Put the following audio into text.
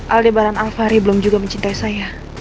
aldebaran alfari belum juga mencintai saya